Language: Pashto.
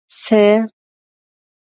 څه